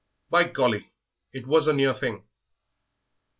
By golly, it was a near thing!"